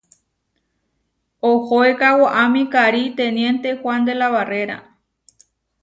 Ohoéka waʼámi karí teniénte Huán de la Barréra.